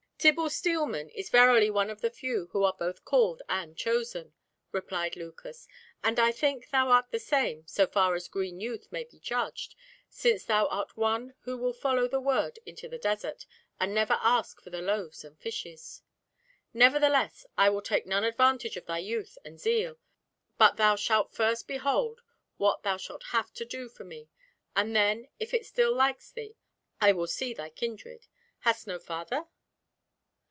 "Tibble Steelman is verily one of the few who are both called and chosen," replied Lucas, "and I think thou art the same so far as green youth may be judged, since thou art one who will follow the word into the desert, and never ask for the loaves and fishes. Nevertheless, I will take none advantage of thy youth and zeal, but thou shalt first behold what thou shalt have to do for me, and then if it still likes thee, I will see thy kindred. Hast no father?"